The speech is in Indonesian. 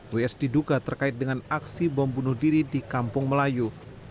ws diduga terkait dengan aksi bom bunuh diri di kampung melayu